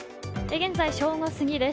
現在正午過ぎです。